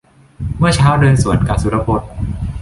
เมื่อเช้าเดินสวนกะ สุรพล